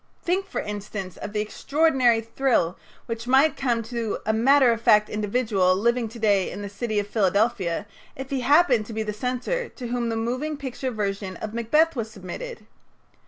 Think, for instance, of the extraordinary thrill which might come to a matter of fact individual living to day in the city of Philadelphia if he happened to be the censor to whom the moving picture version of "Macbeth" was submitted.